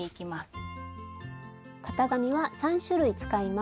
スタジオ型紙は３種類使います。